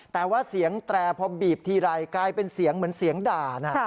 แต่ว่าเสียงแตรพอบีบทีไรกลายเป็นเสียงเหมือนเสียงด่านะ